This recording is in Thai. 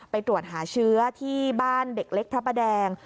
ไปตรวจหาเชื้อที่บ้านเด็กเล็กพระประแดง